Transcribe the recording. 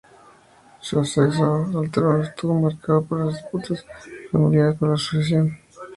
Su acceso al trono estuvo marcado por las disputas familiares por la sucesión.